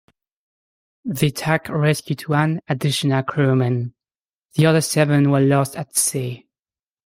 The tug rescued one additional crewman; the other seven were lost at sea.